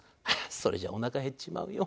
それじゃあおなか減っちまうよ。